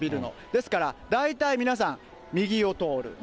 ですから、大体皆さん、右を通る。